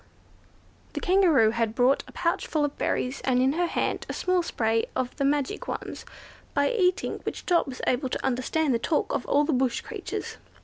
The Kangaroo had brought a pouch full of berries, and in her hand a small spray of the magic ones, by eating which Dot was able to understand the talk of all the bush creatures.